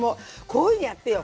こういうのやってよ。